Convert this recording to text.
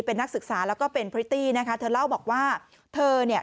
เป็นนักศึกษาแล้วก็เป็นพริตตี้นะคะเธอเล่าบอกว่าเธอเนี่ย